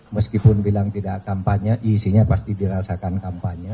meskipun bilang tidak kampanye isinya pasti dirasakan kampanye